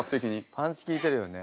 パンチ効いてるよね。